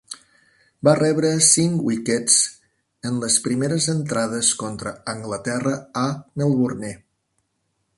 Va rebre cinc wickets en les primeres entrades contra Anglaterra a Melbourne.